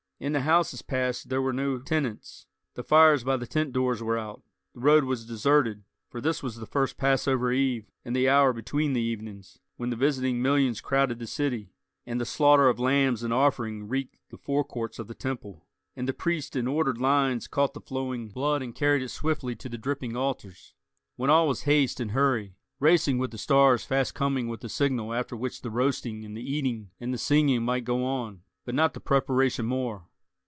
In the houses passed there were no tenants; the fires by the tent doors were out; the road was deserted; for this was the first Passover eve, and the hour "between the evenings" when the visiting millions crowded the city, and the slaughter of lambs in offering reeked the fore courts of the Temple, and the priests in ordered lines caught the flowing blood and carried it swiftly to the dripping altars—when all was haste and hurry, racing with the stars fast coming with the signal after which the roasting and the eating and the singing might go on, but not the preparation more.